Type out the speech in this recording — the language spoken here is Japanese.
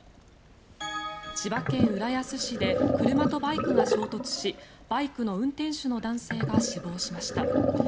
千葉県浦安市で車とバイクが衝突しバイクの運転手の男性が死亡しました。